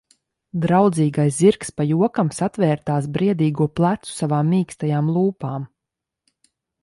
Draudzīgais zirgs pa jokam satvēra tās briedīgo plecu savām mīkstajām lūpām.